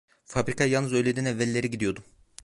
Fabrikaya yalnız öğleden evvelleri gidiyordum.